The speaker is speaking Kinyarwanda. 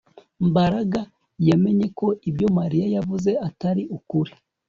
Mbaraga yamenye ko ibyo Mariya yavuze atari ukuri